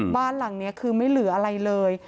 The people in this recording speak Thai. บ้านหลังนี้คือไม่เหลืออะไรเลย